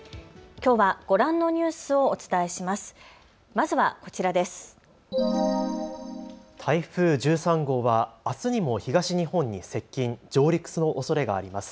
きょうはご覧のニュースをお伝えします。